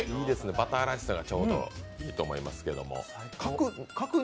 バターライスがちょうどいいと思います